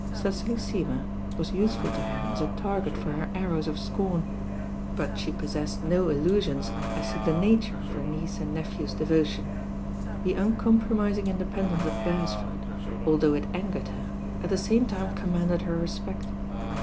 Cecily Seymour was useful to her as a target for her arrows of scorn; but she possessed no illusions as to the na ture of her niece and nephew's devotion. The un compromising independence of Beresford, although it angered her, at the same time commanded her re spect.